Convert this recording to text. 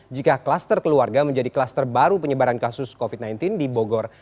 jika kluster keluarga menjadi kluster baru penyebaran kasus covid sembilan belas di bogor